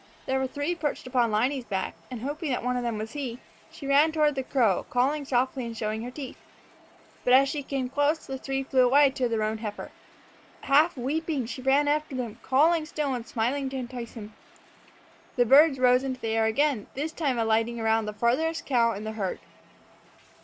There were three perched upon Liney's back, and, hoping that one of them was he, she ran toward the cow, calling softly and showing her teeth. But as she came close, the three flew away to the roan heifer. Half weeping, she ran after them, calling still, and smiling to entice him. The birds rose into the air again, this time alighting around the farthest cow in the herd.